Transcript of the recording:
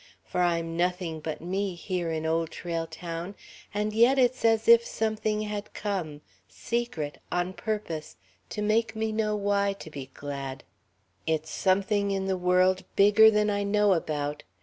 "For I'm nothing but me, here in Old Trail Town, and yet it's as if Something had come, secret, on purpose to make me know why to be glad. "It's something in the world bigger than I know about.